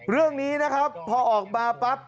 เรื่องนี้นะครับพอออกมาปั๊บ